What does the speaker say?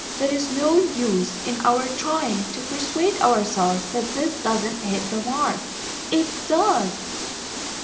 There is no use in our trying to persuade ourselves that this doesn't hit the mark it does!"